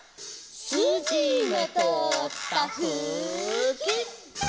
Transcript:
「すじのとおったふき」